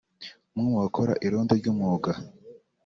umwe mu bakora irondo ry’umwuga